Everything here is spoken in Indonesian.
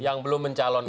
yang belum mencalonkan